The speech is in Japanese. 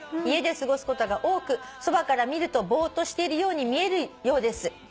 「家で過ごすことが多くそばから見るとぼーっとしているように見えるようです」